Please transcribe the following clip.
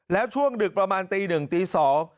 แล้วช่วงดึกประมาณตีหนึ่งตีสอง